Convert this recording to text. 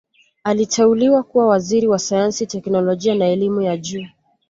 aliteuliwa kuwa Waziri wa sayansi teknolojia na elimu ya juu